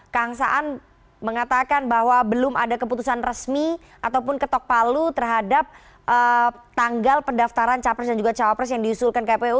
kang saan mengatakan bahwa belum ada keputusan resmi ataupun ketok palu terhadap tanggal pendaftaran capres dan juga cawapres yang diusulkan kpu